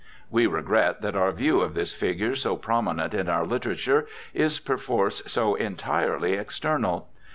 We regret that our view of this figure so prominent in our literature is perforce so entirely external.